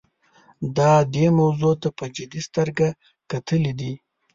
دا دې موضوع ته په جدي سترګه کتلي دي.